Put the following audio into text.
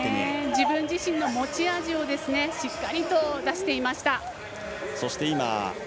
自分自身の持ち味をしっかりと、出していました。